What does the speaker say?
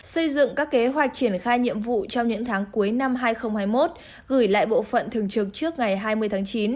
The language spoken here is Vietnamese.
xây dựng các kế hoạch triển khai nhiệm vụ trong những tháng cuối năm hai nghìn hai mươi một gửi lại bộ phận thường trực trước ngày hai mươi tháng chín